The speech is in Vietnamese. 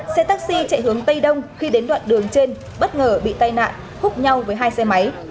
xe taxi chạy hướng tây đông khi đến đoạn đường trên bất ngờ bị tai nạn hút nhau với hai xe máy